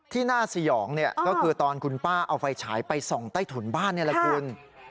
ที่น่าสยองก็คือตอนคุณป้าเอาไฟฉายไปส่องใต้ถุนบ้านนี่แหละคุณ